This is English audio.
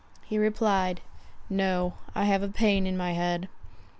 He replied, "No, I have a pain in my head."